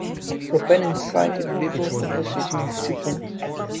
Proponents cited Biblical passage in in support.